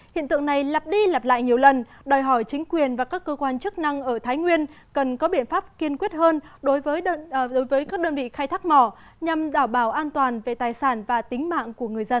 hiện tượng này lặp đi lặp lại nhiều lần đòi hỏi chính quyền và các cơ quan chức năng ở thái nguyên cần có biện pháp kiên quyết hơn với các đơn vị khai thác mỏ nhằm đảm bảo an toàn về tài sản và tính mạng của người dân